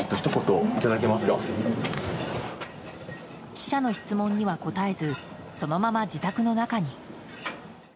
記者の質問には答えずそのまま自宅の中に。